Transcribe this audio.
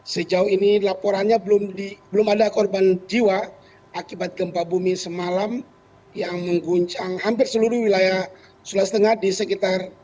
sejauh ini laporannya belum ada korban jiwa akibat gempa bumi semalam yang mengguncang hampir seluruh wilayah sulawesi tengah di sekitar